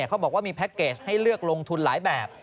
เขาบอกว่ามีแพ็คเกจให้เลือกลงทุนหลายแบบ